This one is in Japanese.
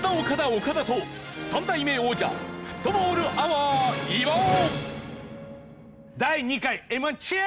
岡田と３代目王者フットボールアワー岩尾。